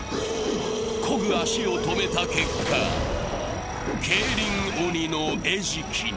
こぐ足を止めた結果、競輪鬼の餌食に。